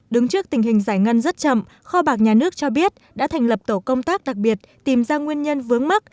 đứng trước tình hình giải ngân rất chậm kho bạc nhà nước cho biết đã thành lập tổ công tác đặc biệt tìm ra nguyên nhân vướng mắt